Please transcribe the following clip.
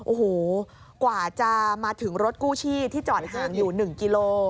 โอ้โหกว่าจะมาถึงรถกู้ชีพที่จอดห่างอยู่๑กิโล